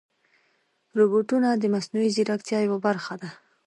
روبوټونه د مصنوعي ځیرکتیا یوه برخه ده.